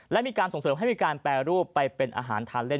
และมีการส่งเสริมให้มีการแปรรูปไปเป็นอาหารทานเล่น